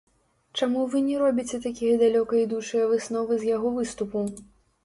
Чаму вы не робіце такія далёкаідучыя высновы з яго выступу?